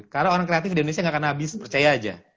karena orang kreatif di indonesia gak akan habis percaya aja